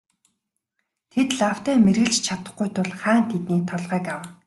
Тэд лавтай мэргэлж чадахгүй тул хаан тэдний толгойг авна.